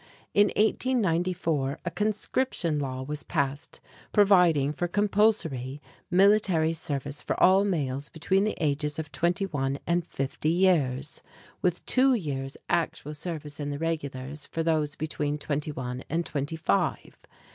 In 1894 a conscription law was passed providing for compulsory military service for all males between the ages of twenty one and fifty years, with two years' actual service in the regulars for those between twenty one and twenty five.